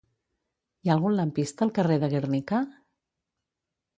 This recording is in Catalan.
Hi ha algun lampista al carrer de Gernika?